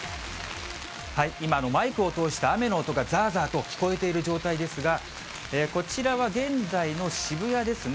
今、マイクを通して、雨の音がざーざーと聞こえている状態ですが、こちらは現在の渋谷ですね。